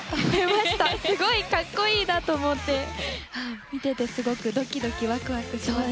すごい格好いいなと思って見ててドキドキワクワクします。